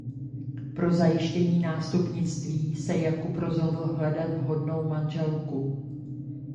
Pro zajištění nástupnictví se Jakub rozhodl hledat vhodnou manželku.